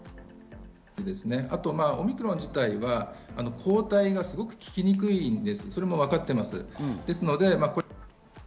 オミクロン自体は抗体がすごく効きにくいということがわかっています。